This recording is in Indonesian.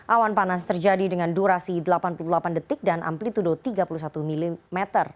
awan panas terjadi dengan durasi delapan puluh delapan detik dan amplitude tiga puluh satu mm